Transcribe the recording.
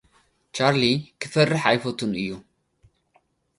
ቻርሊ ክፈርሕ ኣይፈቱን እዩ።